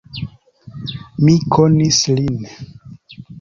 Mi konis lin.